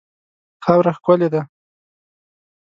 خاوره ښکلې ده.